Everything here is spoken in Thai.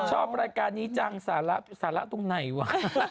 ชอบรายการนี้จังสาระสาระตรงไหนวะ